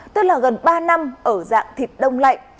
tức là gần ba năm ở dạng thịt đông lạnh